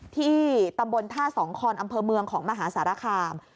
ที่ตำบลท่าสองคอนอำเภอเมืองของมหาสารคาม